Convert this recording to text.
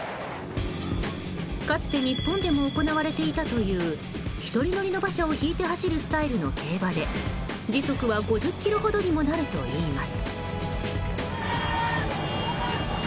かつて日本でも行われていたという１人乗りの馬車を引いて走るスタイルの競馬で時速は５０キロほどにもなるといいます。